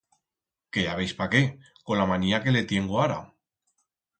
Que ya veis pa qué, con la manía que le tiengo ara.